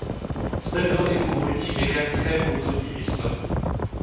Zde bylo i původní mykénské kultovní místo.